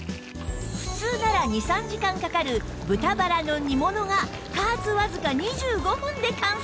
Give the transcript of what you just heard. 普通なら２３時間かかる豚バラの煮物が加圧わずか２５分で完成！